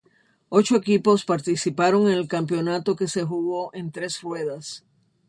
Ocho equipos participaron en el campeonato que se jugó en tres ruedas.